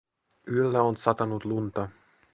Yöllä on satanut lunta